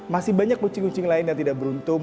masih banyak kucing kucing lain yang tidak beruntung